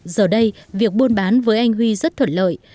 giờ đây việc buôn bán với anh huy rất thuận lợi